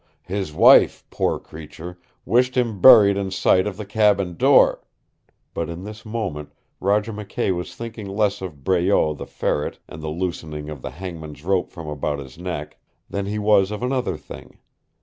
His wife, poor creature, wished him buried in sight of the cabin door " But in this moment Roger McKay was thinking less of Breault the Ferret and the loosening of the hangman's rope from about his neck than he was of another thing.